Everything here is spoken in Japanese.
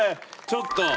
ちょっと。